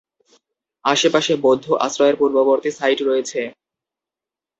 আশেপাশে বৌদ্ধ আশ্রয়ের পূর্ববর্তী সাইট রয়েছে।